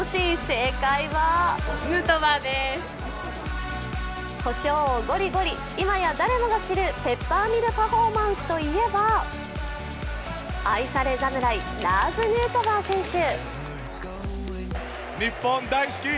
正解はこしょうをごりごり今は誰もが知るペッパーミルパフォーマンスといえば愛され侍、ラーズ・ヌートバー選手。